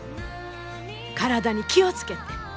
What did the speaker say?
体に気を付けて。